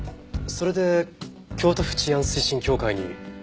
それで京都府治安推進協会に天下りを？